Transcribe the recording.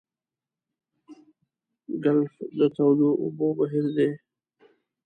ګلف د تودو اوبو بهیر دی.